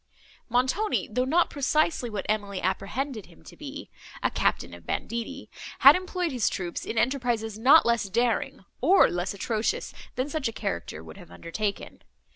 Montoni, though not precisely what Emily apprehended him to be—a captain of banditti—had employed his troops in enterprises not less daring, or less atrocious, than such a character would have undertaken.